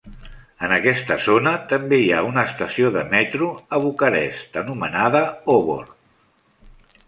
En aquesta zona també hi ha una estació de metro a Bucarest anomenada Obor.